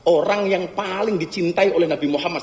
orang yang paling dicintai oleh nabi muhammad